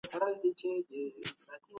ابن خلدون د اسلامي نړۍ مشهور ټولنپوه و.